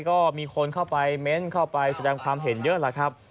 ก็มีคนเข้าไปเม้นเข้าไปแสดงความเห็นเยอะแหละครับ